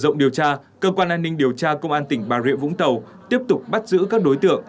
rộng điều tra cơ quan an ninh điều tra công an tỉnh bà rịa vũng tàu tiếp tục bắt giữ các đối tượng